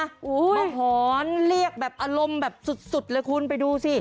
มาหอนเรียกแบบอารมณ์แบบสุดเลยคุณไปดูสิ